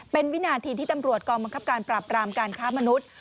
เป็นวินาทีที่ตำรวจกองบังคับการปราบรามการค้ามนุษย์